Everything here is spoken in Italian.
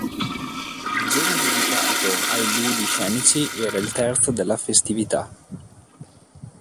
Il giorno dedicato ai ludi scenici era il terzo della festività.